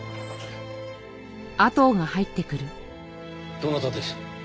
どなたです？